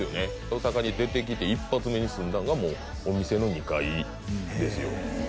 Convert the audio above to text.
大阪に出てきて１発目に住んだんがもうお店の２階ですよへえ